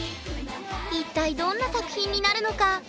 一体どんな作品になるのか。